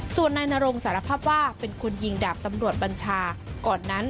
ส่วนนายนรงสารภาพว่าเป็นคนยิงดาบตำรวจบัญชาก่อนนั้น